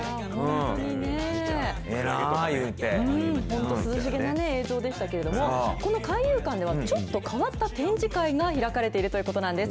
本当、涼しげな映像でしたけど、この海遊館では、ちょっと変わった展示会が開かれているということなんです。